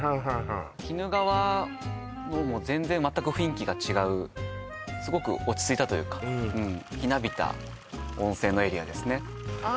鬼怒川のもう全然全く雰囲気が違うすごく落ち着いたというかうんひなびた温泉のエリアですねああ